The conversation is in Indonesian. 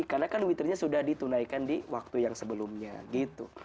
karena kan witirnya sudah ditunaikan di waktu yang sebelumnya gitu